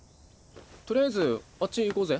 とりあえずあっち行こうぜ。